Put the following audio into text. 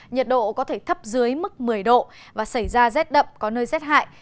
nhiệt độ có thể thấp dưới mức một mươi độ và xảy ra rét đậm có nơi rét hại